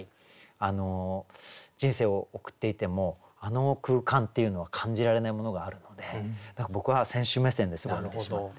人生を送っていてもあの空間っていうのは感じられないものがあるので僕は選手目線でそれを見てしまって。